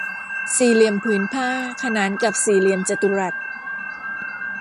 สี่เหลี่ยมผืนผ้าขนานกับสี่เหลี่ยมจัตุรัส